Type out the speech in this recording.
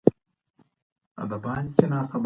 په کلي کې د مازدیګر په وخت کې مجلسونه کیږي.